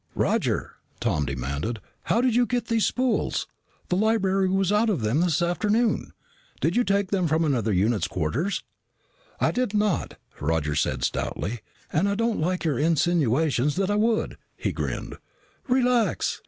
"Roger," Tom demanded, "how did you get these spools? The library was out of them this afternoon. Did you take them from another unit's quarters?" "I did not!" said Roger stoutly. "And I don't like your insinuations that I would." He grinned. "Relax!